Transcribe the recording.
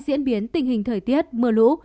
diễn biến tình hình thời tiết mưa lũ